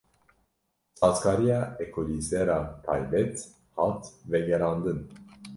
Sazkariya ekolîzera taybet hat vegerandin.